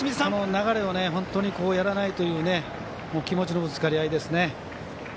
流れをやらないという気持ちのぶつかり合いですね。